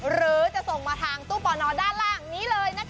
หรือจะส่งมาทางตู้ปอนอด้านล่างนี้เลยนะคะ